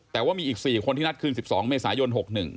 แต่ว่ามีอีก๔คนที่นัดคืน๑๒เมษายน๖๑